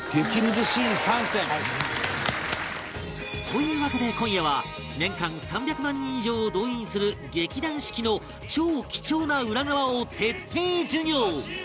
というわけで今夜は年間３００万人以上を動員する劇団四季の超貴重な裏側を徹底授業